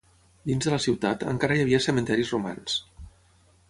Dins de la ciutat, encara hi havia cementiris romans.